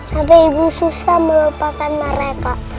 sampai ibu susah melupakan mereka